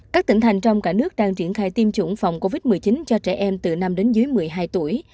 các tỉnh thành trong cả nước đang triển khai tiêm chủng phòng covid một mươi chín cho trẻ em từ năm đến dưới một mươi hai tuổi